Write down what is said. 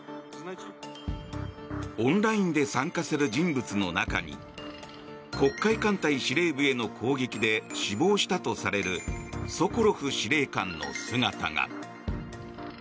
オンラインで参加する人物の中に黒海艦隊司令部への攻撃で死亡したとされるソコロフ司令官の姿が。